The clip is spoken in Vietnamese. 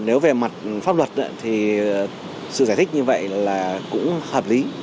nếu về mặt pháp luật thì sự giải thích như vậy là cũng hợp lý